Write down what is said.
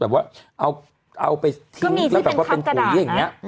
เอาไปทิ้งเป็นหรือปล่อยอย่างนี้